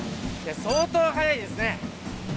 相当速いですね。